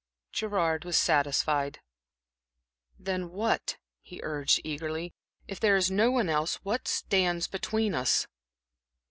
Gerard was satisfied. "Then what," he urged, eagerly "if there is no one else what stands between us?"